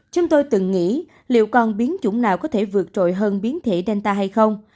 chúng tôi từng nghĩ liệu còn biến chủng nào có thể vượt trội hơn biến thể delta hay không